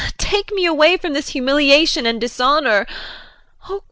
Take me away from this humiliation and dishonor.